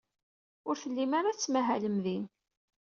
Ur tellim ara tettmahalem din.